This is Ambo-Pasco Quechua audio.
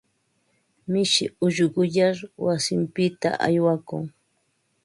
Mishi ushquyar wasinpita aywakun.